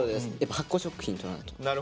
発酵食品となると。